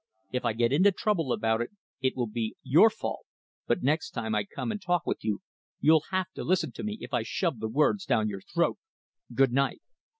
If I get into trouble about it, it will be your fault, but next time I come and talk with you, you'll have to listen to me if I shove the words down your throat. Good night!"